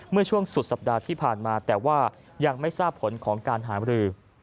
เมื่อช่วงสุดสัปดาห์ที่ผ่านมาแต่ว่ายังไม่ทราบผลของการหามรือ